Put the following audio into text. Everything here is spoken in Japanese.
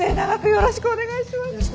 よろしくお願いします。